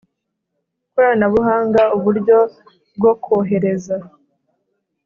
koranabuhanga uburyo bwo kohereza